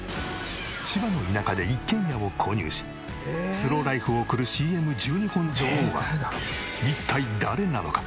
千葉の田舎で一軒家を購入しスローライフを送るＣＭ１２本女王は一体誰なのか？